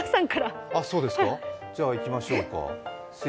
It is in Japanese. じゃ、いきましょうか。